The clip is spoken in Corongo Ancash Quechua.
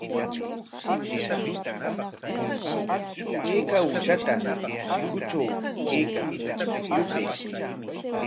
¿Ayka uushata chikutraw kaykan? Yupay.